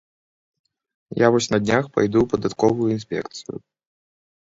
Я вось на днях пайду ў падатковую інспекцыю.